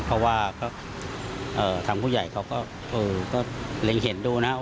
เพราะว่าทางผู้ใหญ่เขาก็เล็งเห็นดูนะ